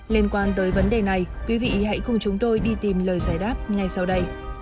liên quan tới vấn đề này quý vị hãy cùng chúng tôi đi tìm lời giải đáp ngay sau đây